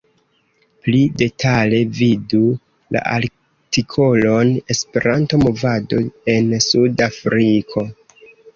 Pli detale vidu la artikolon "Esperanto-movado en Sud-Afriko".